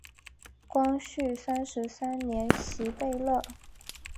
光绪三十三年袭贝勒。